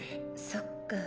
そっか。